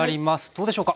どうでしょう？